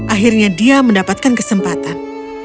akhirnya dia mendapatkan kesempatan